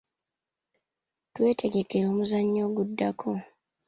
Twetegekera omuzannyo oguddako.